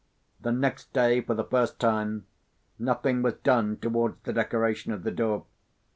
The next day, for the first time, nothing was done towards the decoration of the door.